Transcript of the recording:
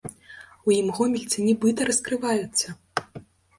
У ім гомельцы нібыта раскрываюцца.